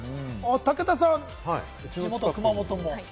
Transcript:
武田さん、地元・熊本。